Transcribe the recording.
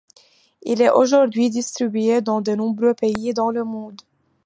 Il est aujourd'hui distribué dans de nombreux pays dans le monde.